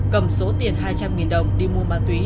cầm số tiền hai trăm linh đồng đi mua ma túy